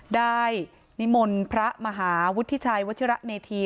นิมนต์พระมหาวุฒิชัยวัชิระเมธี